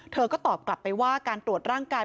เธอก็ตอบกลับไปว่าการตรวจร่างกาย